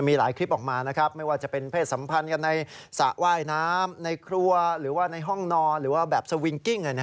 มีหลายคลิปออกมานะครับไม่ว่าจะเป็นเพศสัมพันธ์กันในสระว่ายน้ำในครัวหรือว่าในห้องนอนหรือว่าแบบสวิงกิ้ง